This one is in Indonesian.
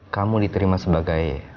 kamu diterima sebagai